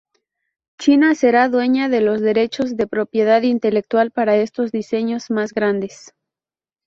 China será dueña de los derechos de propiedad intelectual para estos diseños más grandes.